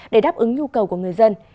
để đáp ứng nhu cầu của người dân